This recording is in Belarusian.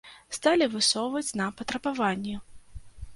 Сталі высоўваць нам патрабаванні.